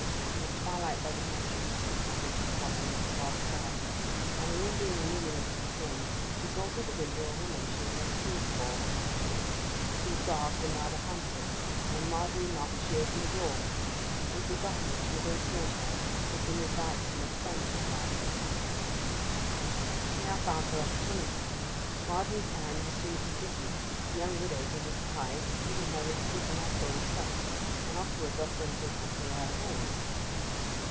It was twilight by the time she reached the cottage at the bottom of the Lodge garden, and, the room being illuminated within, she saw through the window a woman she had never seen before. She was dark, and rather handsome, and when Margery knocked she opened the door. It was the gardener's widowed daughter, who had been advised to make friends with Margery. She now found her opportunity. Margery's errand was soon completed, the young widow, to her surprise, treating her with preternatural respect, and afterwards offering to accompany her home.